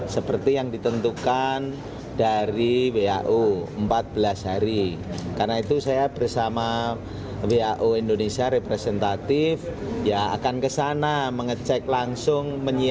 seperti yang ditentukan dari wau empat belas hari karena itu saya bersama wau indonesia representatif ya akan kesana mengecek langsung menyiapkan